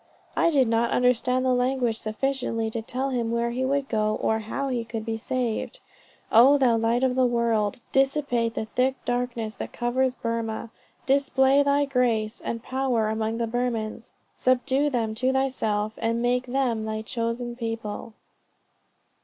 I did not understand the language sufficiently to tell him where he would go, or how he could be saved. Oh thou Light of the world, dissipate the thick darkness that covers Burmah. Display thy grace and power among the Burmans subdue them to thyself, and make them thy chosen people."